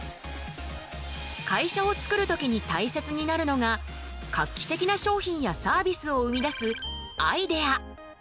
会社を作る時に大切になるのが画期的な商品やサービスを生み出すアイデア。